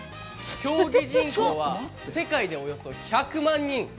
競技人口は世界でおよそ１００万人。